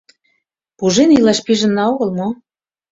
Пужен илаш пижынна огыл мо?..